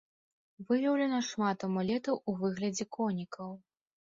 Выяўлена шмат амулетаў у выглядзе конікаў.